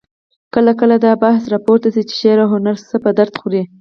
کله کله دا بحث راپورته شي چې شعر او هنر څه په درد خوري؟